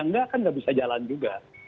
tidak kan tidak bisa jalan juga